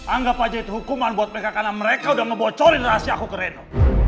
anggap aja itu hukuman buat mereka karena mereka udah ngebocorin rahasia aku ke reno